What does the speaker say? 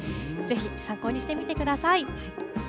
ぜひ、参考にしてみてください。